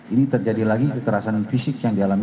ini terjadi lagi kekerasan fisik yang dialami